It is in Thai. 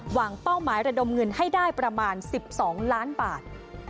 เป้าหมายระดมเงินให้ได้ประมาณ๑๒ล้านบาท